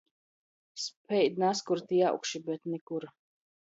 Speid nazkur tī augši, bet nikur.